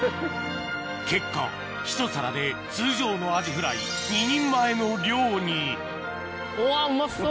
結果ひと皿で通常のアジフライ２人前の量にうわうまそう！